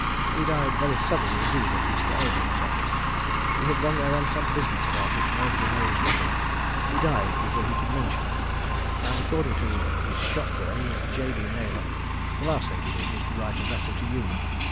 He died very suddenly indeed at Mr. Eldrick's office. He had gone there on some business about which nobody knows nothing he died before he could mention it. And according to his shop boy, Jabey Naylor, the last thing he did was to write a letter to you.